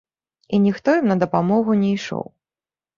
І ніхто ім на дапамогу не ішоў.